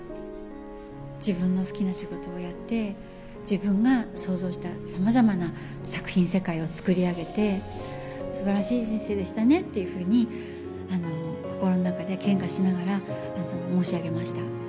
自分の好きな仕事をやって、自分が創造したさまざまな作品世界を作り上げて、すばらしい人生でしたねっていうふうに、心の中で献花しながら申し上げました。